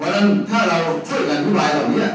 เพราะฉะนั้นถ้าเราช่วยกันทุกคนแบบเนี้ย